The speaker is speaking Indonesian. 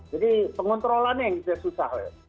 jadi pengontrolannya yang susah